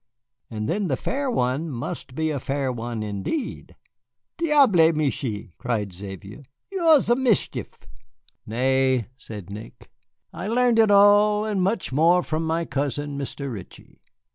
And then the fair one must be a fair one indeed." "Diable, Michié," cried Xavier, "you are ze mischief." "Nay," said Nick, "I learned it all and much more from my cousin, Mr. Ritchie."